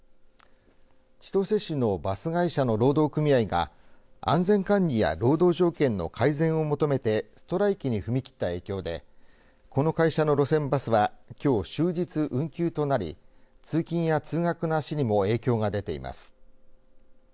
千歳市のバス会社の労働組合が安全管理や労働条件の改善を求めてストライキに踏み切った影響でこの会社の路線バスはきょう終日運休となり通勤や通学の足にも影響が出ています。